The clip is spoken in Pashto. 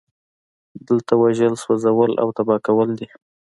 دلته وژل سوځول او تباه کول دي